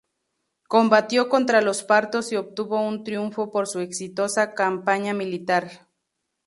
Combatió contra los partos y obtuvo un triunfo por su exitosa campaña militar.